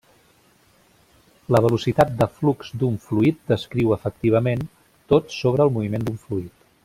La velocitat de flux d'un fluid descriu efectivament tot sobre el moviment d'un fluid.